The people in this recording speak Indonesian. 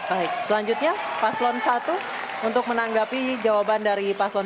baik selanjutnya paslon satu untuk menanggapi jawaban dari paslon dua